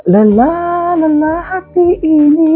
lelah nehuha ti ini